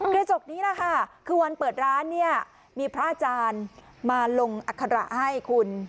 กระจกนี้แหละค่ะคือวันเปิดร้านเนี่ยมีพระอาจารย์มาลงอัคระให้คุณ